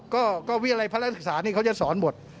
ก็เวียรัยพลาดศึกษานี่เขาจะสอนหมด